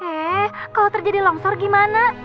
eh kalau terjadi longsor gimana